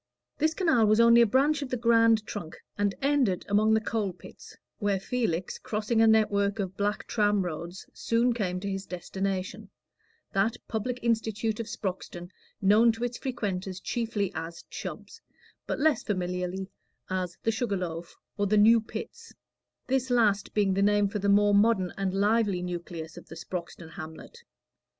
This canal was only a branch of the grand trunk, and ended among the coal pits, where Felix, crossing a network of black tram roads, soon came to his destination that public institute of Sproxton, known to its frequenters chiefly as Chubb's, but less familiarly as the Sugar Loaf, or the New Pits; this last being the name for the more modern and lively nucleus of the Sproxton hamlet.